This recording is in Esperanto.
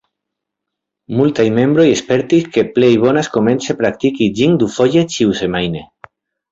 Multaj membroj spertis ke plej bonas komence praktiki ĝin dufoje ĉiusemajne.